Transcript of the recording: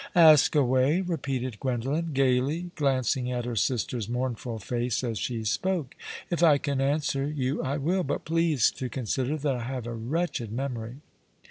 "Ask away," repeated Gwendolen, gaily, glancing at her sister's mournful face as she spoke. " If I can answer you I will — but please to consider that I have a wretched memory."